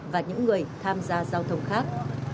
và những người tham gia giao thông khác